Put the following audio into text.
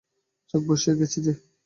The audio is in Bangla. চোখ বসিয়া গেছে যে।